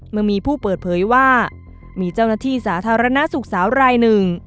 เมื่อมีผู้เปิดเผยว่ามีเจ้าหน้าที่สาธารณสุขสาวรายหนึ่ง